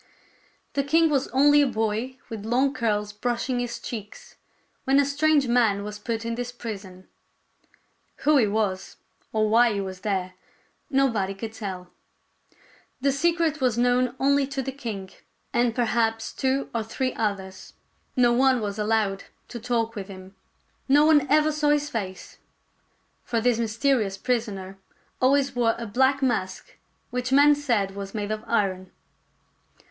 The king was only a boy with long curls brush ing his cheeks, when a strange man was put in this prison. Who he was, or why he was there, nobody could tell, The secret was known only to the king 132 THE MAN IN THE IRON MASK 133 and perhaps two or three others. No one was allowed to talk with him. No one ever saw his face ; for this mysterious prisoner always wore a black mask which men said was made of iron.